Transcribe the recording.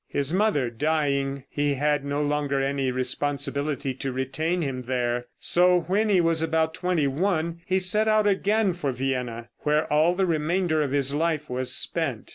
His mother dying, he had no longer any responsibility to retain him there, so when he was about twenty one he set out again for Vienna, where all the remainder of his life was spent.